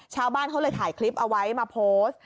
ชาวบ้านเขาเลยถ่ายคลิปเอาไว้มาโพสต์